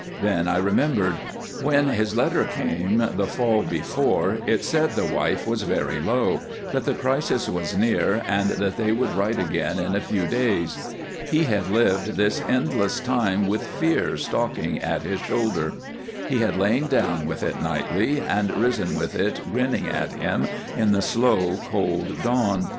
Then I remembered. When his letter came the fall before it said the wife was very low, that the crisis was near, and that they would write again in a few days. He had lived this endless time with Fear stalking at his shoulder. He had lain down with it nightly and risen with it grinning at him in the slow, cold dawn.